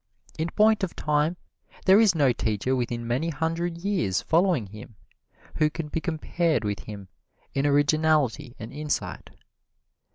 In point of time there is no teacher within many hundred years following him who can be compared with him in originality and insight.